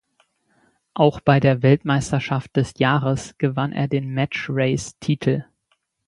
Auch bei der Weltmeisterschaft des Jahres gewann er den Match-Race-Titel.